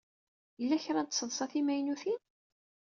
Yella kra n tseḍsa timaynutin?